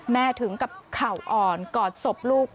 ถึงกับเข่าอ่อนกอดศพลูก